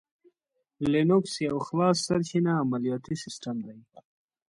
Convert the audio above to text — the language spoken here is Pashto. لینوکس یو خلاصسرچینه عملیاتي سیسټم دی.